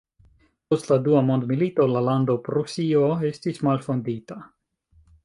Post la Dua Mondmilito la lando Prusio estis malfondita.